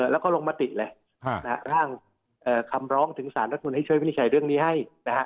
แล้วก็ลงมติเลยร่างคำร้องถึงสารรัฐมนุนให้ช่วยวินิจฉัยเรื่องนี้ให้